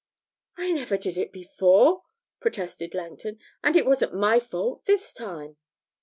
'I never did it before,' protested Langton, 'and it wasn't my fault this time.'